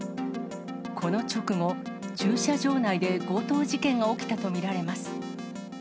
この直後、駐車場内で強盗事件が起きたと見られます。